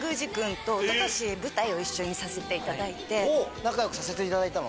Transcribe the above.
仲良くさせていただいたの？